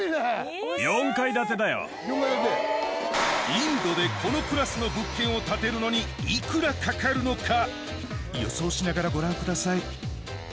インドでこのクラスの物件を建てるのに幾らかかるのか予想しながらご覧ください